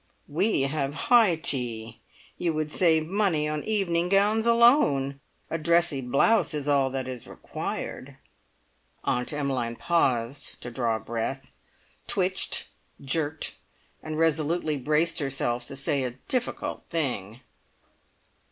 We have high tea. You would save money on evening gowns alone. A dressy blouse is all that is required." Aunt Emmeline paused to draw breath, twitched, jerked, and resolutely braced herself to say a difficult thing.